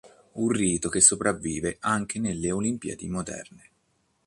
Un rito che sopravvive anche nelle Olimpiadi moderne.